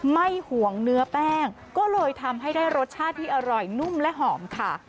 ห่วงเนื้อแป้งก็เลยทำให้ได้รสชาติที่อร่อยนุ่มและหอมค่ะ